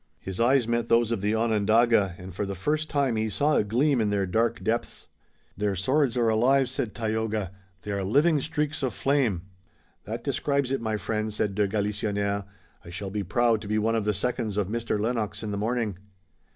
His eyes met those of the Onondaga and for the first time he saw a gleam in their dark depths. "Their swords are alive," said Tayoga. "They are living streaks of flame." "That describes it, my friend," said de Galisonnière. "I shall be proud to be one of the seconds of Mr. Lennox in the morning."